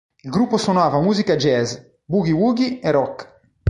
Il gruppo suonava musica jazz, Boogie Woogie e Rock.